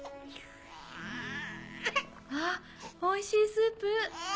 あっおいしいスープ！